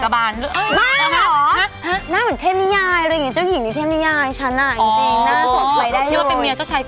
โค้ยหน้าฉันได้ด้วยนะค่ะ